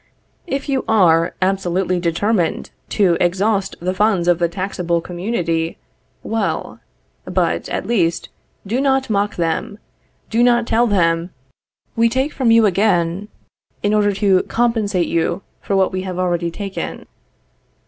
If you are absolutely determined to exhaust the funds of the taxable community, well; but, at least, do not mock them; do not tell them, "We take from you again, in order to compensate you for what we have already taken."